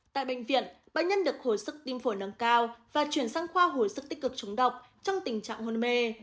tại bệnh viện bệnh nhân được hồi sức tim phổi nâng cao và chuyển sang khoa hồi sức tích cực trúng độc trong tình trạng hôn mê